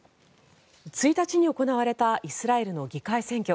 １日に行われたイスラエルの議会選挙。